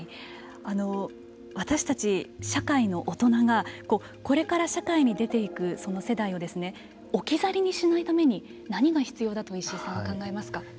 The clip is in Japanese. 私たち社会の大人がこれから社会に出ていく世代を置き去りにしないために何が必要だと石井さんは考えますか。